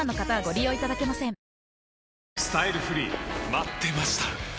待ってました！